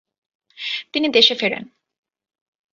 তিনি দেশে ফেরেন ।